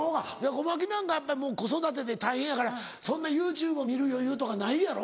ゴマキなんかやっぱ子育てで大変やからそんなＹｏｕＴｕｂｅを見る余裕とかないやろ？